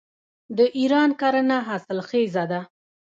د ایران کرنه حاصلخیزه ده.